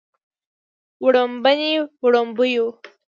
وړومبني وړومبيو